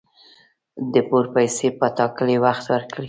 د پور پیسي په ټاکلي وخت ورکړئ